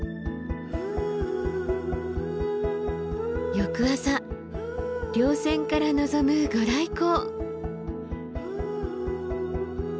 翌朝稜線から望む御来光。